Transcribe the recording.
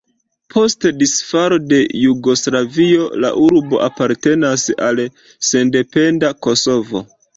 Post disfalo de Jugoslavio la urbo apartenas al sendependa Kosovo.